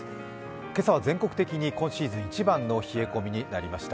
今朝は全国的に今シーズン一番の冷え込みになりました。